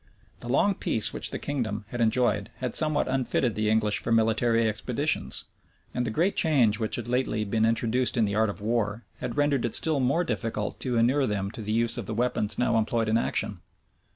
The long peace which the kingdom had enjoyed had somewhat unfitted the English for military expeditions; and the great change which had lately been introduced in the art of war, had rendered it still more difficult to inure them to the use of the weapons now employed in action.